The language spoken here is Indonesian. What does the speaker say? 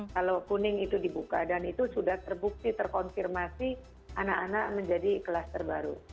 kalau kuning itu dibuka dan itu sudah terbukti terkonfirmasi anak anak menjadi kelas terbaru